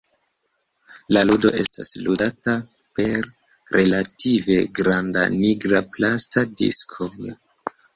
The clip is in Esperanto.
La ludo estas ludata per relative granda nigra plasta diskon.